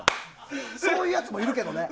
そういうやつもいるけどね。